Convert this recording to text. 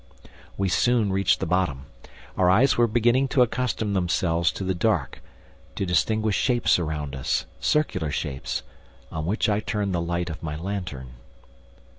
We soon reached the bottom. Our eyes were beginning to accustom themselves to the dark, to distinguish shapes around us ... circular shapes ... on which I turned the light of my lantern.